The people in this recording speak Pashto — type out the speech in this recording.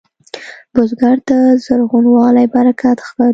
بزګر ته زرغونوالی برکت ښکاري